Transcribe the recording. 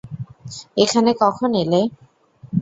এখানে কখন এলে?